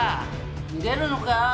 「逃げるのか？